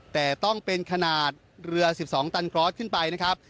แต่ต้องเป็นขนาดเรือ๑๒ตันกรอสขึ้นไปนะครับ